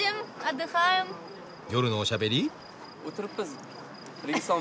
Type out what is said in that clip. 夜のおしゃべり。